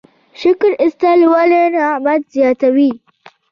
شکر ایستل ولې نعمت زیاتوي؟